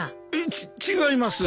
ち違います！